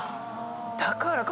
だからか！